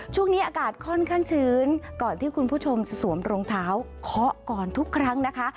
ช่วงนี้อากาศค่อนข้างชื้นก่อนที่คุณผู้ชมจะสวมรองเท้าเคาะก่อนทุกครั้งนะคะ